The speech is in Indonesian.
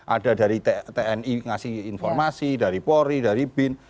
ada dari tni ngasih informasi dari polri dari bin